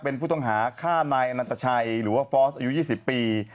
เป็นผู้ต้องหาฆ่านายอนันตชัยหรือว่าฟอสอายุ๒๐ปี